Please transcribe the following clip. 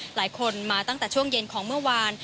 หลายคนมาตั้งแต่ช่วงเย็นของเมื่อวาน